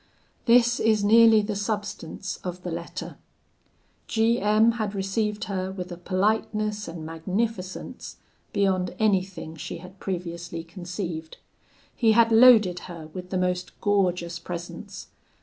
This is nearly the substance of the letter: G M had received her with a politeness and magnificence beyond anything she had previously conceived. He had loaded her with the most gorgeous presents.